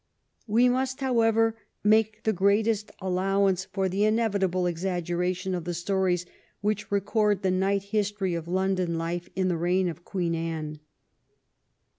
We must, however, make the greatest allowance for the inevitable exaggeration of the stories which record the night history of London life in the reign of Queen Anne.